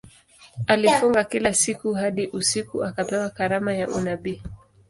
Alifunga kila siku hadi usiku akapewa karama ya unabii.